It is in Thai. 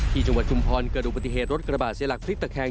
จังหวัดชุมพรเกิดดูปฏิเหตุรถกระบาดเสียหลักพลิกตะแคง